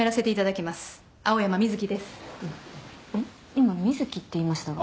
今瑞希って言いましたが。